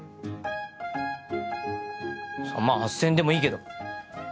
３万８０００円でもいいけど。